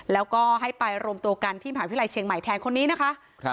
แล้วก็ให้ไปรวมตัวกันที่มหาวิทยาลัยเชียงใหม่แทนคนนี้นะคะ